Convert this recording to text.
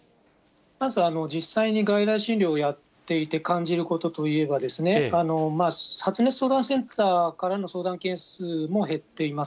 まず、実際に外来診療をやっていて感じることといえば、発熱相談センターからの相談件数も減っています。